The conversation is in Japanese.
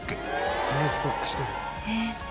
「すげえストックしてる」